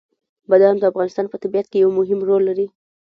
بادام د افغانستان په طبیعت کې یو مهم رول لري.